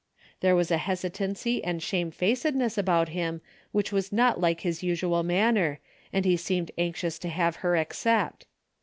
" There was a hesitancy and shamefac edness about him which was not like his usual manner, and he seemed anxious to have her accept.